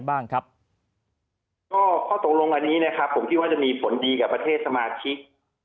ข้อตกลงที่ว่าจะมีผลดีกับประเทศสมาชิก